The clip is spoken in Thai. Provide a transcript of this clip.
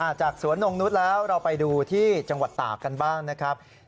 จากสวนนงนุษย์แล้วเราไปดูที่จังหวัดตากกันบ้างนะครับ